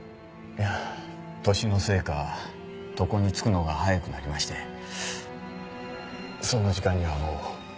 年のせいか床に就くのが早くなりましてその時間にはもう。